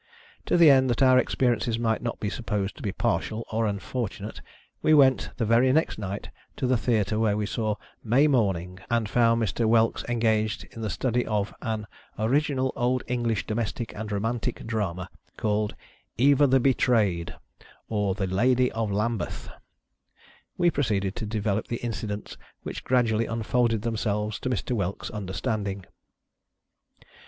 To the end that our experiences might not be supposed to be partial or unfortunate, we went, the very next night, to the Theatre where we saw May Morning, and found Mr. Whelks engaged in the study of an " Original Old English Domestic and Eomantic Drama," called "Eva the Be TEAVED, OR The Ladte OF Lambythe." We proceed to develop the incidents which gradually unfolded themselves to Mr. Whelks' understanding.